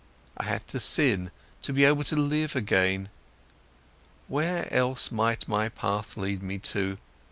I had to sin, to be able to live again. Where else might my path lead me to?